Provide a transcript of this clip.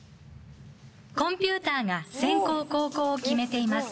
コンピューターが先攻後攻を決めています。